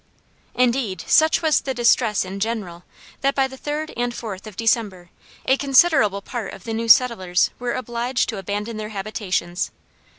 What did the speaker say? "Indeed, such was the distress in general, that by the 3d and 4th of December, a considerable part of the new settlers were obliged to abandon their habitations.